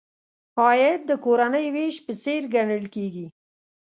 عاید د کورنۍ وېش په څېر ګڼل کیږي.